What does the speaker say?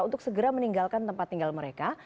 untuk segera meninggalkan tempat tinggal mereka